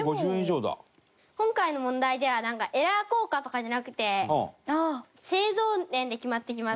今回の問題ではエラー硬貨とかじゃなくて製造年で決まってきます